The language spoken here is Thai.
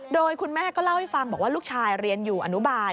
โดยคุณแม่ก็เล่าให้ฟังบอกว่าลูกชายเรียนอยู่อนุบาล